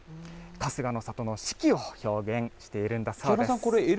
春日の里の四季を表現しているんだそうです。